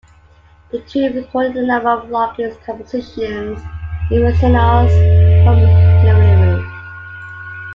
The two recorded a number of Loggins' compositions in Messina's home living room.